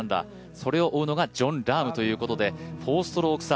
それを追うのがジョン・ラームということで４ストローク差。